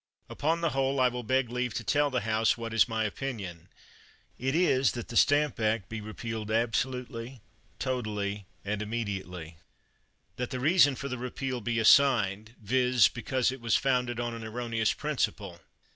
Upon the whole, I will beg leave to tell the House what is my opinion. It is, that the Stamp Act be repealed absolutely, totally, and 210 CHATHAM immediately. That the reason for the repeal be assigned — viz., because it was founded on an erroneous principle.